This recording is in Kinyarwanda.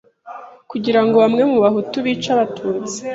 kugirango bamwe mu Bahutu bice Abatutsi